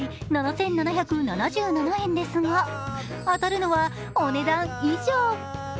１回７７７７円ですが、当たるのはお値段以上。